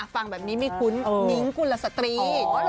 ฟังแบบนี้ไม่คุ้นนิ้งกุลสตรี